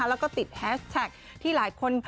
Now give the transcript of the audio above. แล้วก็ติดแฮชแท็กที่หลายคน